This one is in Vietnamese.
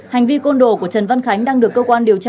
hành vi côn đồ của trần văn khánh đang được cơ quan điều tra